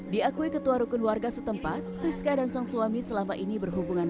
diakui ketua rukun warga setempat rizka dan sang suami selama ini berhubungan